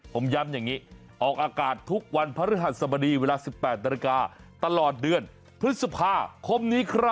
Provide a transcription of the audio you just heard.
ผมย้ำอย่างนี้ออกอากาศทุกวันพระฤหัสบดีเวลา๑๘นาฬิกาตลอดเดือนพฤษภาคมนี้ครับ